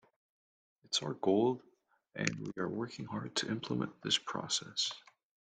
It's our goal and we are working hard to implement this process.